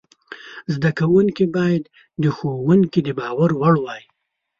زده کوونکي باید د ښوونکي د باور وړ وای.